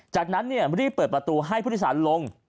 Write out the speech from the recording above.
จากนั้นรีบเปิดประตูให้ผู้โดยสารลง